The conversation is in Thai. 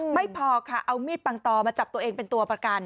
ไม่พอค่ะเอามีดปังตอมาจับตัวเองเป็นตัวประกัน